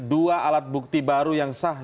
dua alat bukti baru yang sah